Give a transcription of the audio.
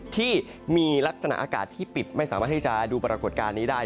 ที่มีลักษณะอากาศที่ปิดไม่สามารถที่จะดูปรากฏการณ์นี้ได้